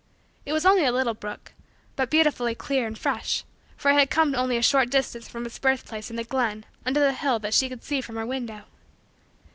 It was only a little brook, but beautifully clear and fresh, for it had come only a short distance from its birth place in a glen under the hill that she could see from her window.